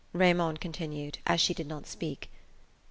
Raymond continued, as she did not speak.